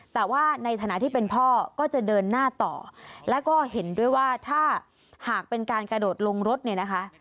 แต่ว่าในฐานะที่เป็นพ่อก็จะเดินหน้าต่อแล้วก็เห็นด้วยว่าถ้าหากเป็นการกระโดดลงรถเนี่ยนะคะ